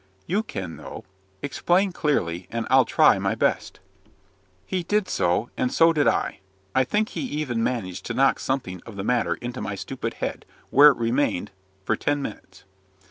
"You can, though. Explain clearly, and I'll try my best." He did so, and so did I. I think he even managed to knock something of the matter into my stupid head, where it remained for ten minutes!